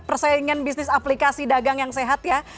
persaingan bisnis aplikasi dagang yang sehat ya